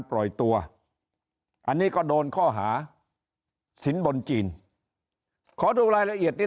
ปล่อยตัวอันนี้ก็โดนข้อหาสินบนจีนขอดูรายละเอียดนี้